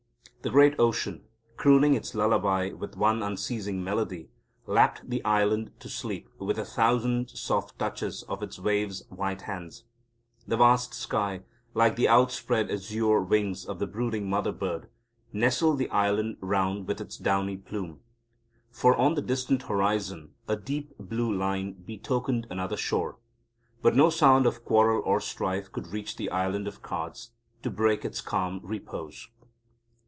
The great ocean, crooning its lullaby with one unceasing melody, lapped the island to sleep with a thousand soft touches of its wave's white hands. The vast sky, like the outspread azure wings of the brooding mother bird, nestled the island round with its downy plume. For on the distant horizon a deep blue line betokened another shore. But no sound of quarrel or strife could reach the Island of Cards, to break its calm repose.